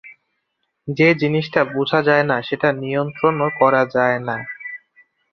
যে জিনিসটা বুঝা যায় না, সেটা নিয়ন্ত্রণও করা যায় না।